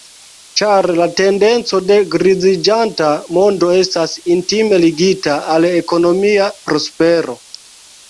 Ĉar la tendenco de griziĝanta mondo estas intime ligita al ekonomia prospero.